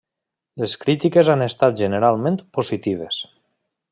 Les crítiques han estat generalment positives.